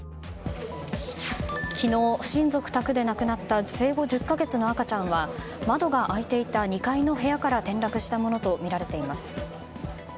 昨日、親族宅で亡くなった生後１０か月の赤ちゃんは窓が開いていた２階の部屋から転落したものとみられています。